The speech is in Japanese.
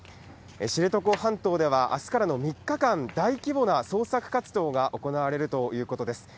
知床半島では、あすからの３日間、大規模な捜索活動が行われるということです。